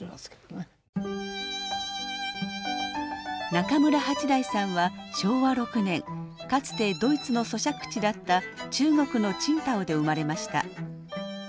中村八大さんは昭和６年かつてドイツの租借地だった中国の青島で生まれました。